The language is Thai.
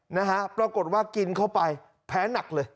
นะฮะปรากฏว่ากินเข้าไปแพ้หนักเลย